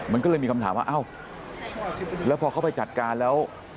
มันก็เลยมีคำถามว่าเอ้าแล้วพอเขาไปจัดการแล้ว